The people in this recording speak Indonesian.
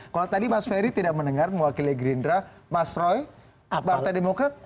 kalau tadi mas ferry tidak mendengar mewakili gerindra mas roy partai demokrat